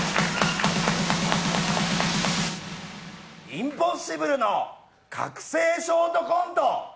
インポッシブルの覚醒ショートコント。